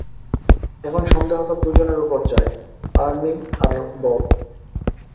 এখন সন্দেহটা দুজনের উপর যায়, আর্নি আর বব।